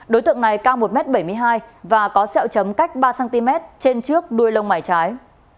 đối tượng này cao một m bảy mươi hai và có sẹo chấm cách ba cm trên trước đuôi lông mải trái